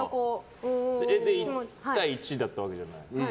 それで１対１だったわけじゃないですか。